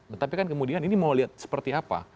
tetapi kan kemudian ini mau lihat seperti apa